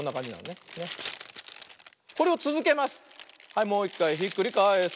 はい。